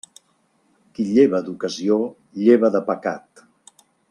Qui lleva d'ocasió, lleva de pecat.